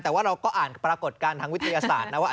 แต่ว่าเราก็อ่านปรากฏการณ์ทางวิทยาศาสตร์นะว่า